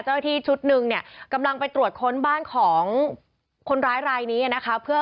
เจ้าโข้นที่ชุด๑กำลังไปตรวจค้นบ้านของคนร้ายรายนี้นะคะ